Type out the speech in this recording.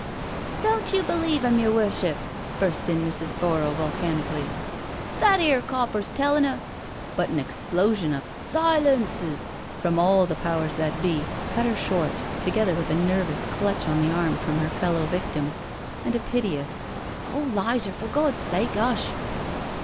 ..•"" Don't you believe 'im, yer Worship," burst in Mrs. Borrow volcanically; ^' that 'ere copper 8 tellin' a •••" But an explosion of " Silences " from all the Powers that be, cut her short, together with a nervous clutch on the amt from her fellow victim, and a piteous, " Oh Lizer, for Gawd's sake 'ush."